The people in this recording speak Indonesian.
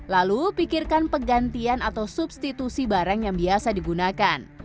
lalu pikirkan pegantian atau substitusi barang yang biasa digunakan